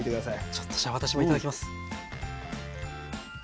ちょっとじゃあ私も頂きます。